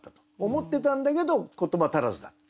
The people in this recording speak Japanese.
思ってたんだけど言葉足らずだった。